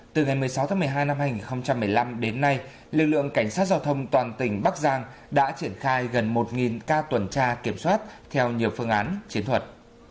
từ ngày một mươi sáu tháng một mươi hai năm hai nghìn một mươi năm đến nay lực lượng cảnh sát giao thông toàn tỉnh bắc giang đã triển khai gần một ca tuần tra kiểm soát theo nhiều phương án chiến thuật